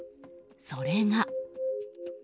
それが。